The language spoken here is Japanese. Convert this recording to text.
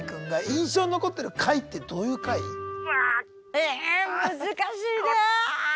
え難しいなあ！